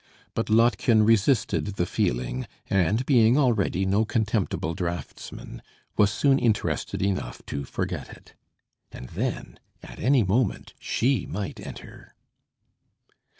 But Lottchen resisted the feeling, and, being already no contemptible draughtsman, was soon interested enough to forget it. And then, any moment she might enter.